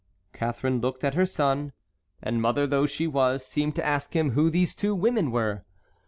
Catharine looked at her son, and, mother though she was, seemed to ask him who these two women were.